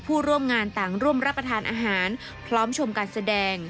ผู้ร่วมงานต่างร่วมรับประทานอาหารพร้อมชมการแสดง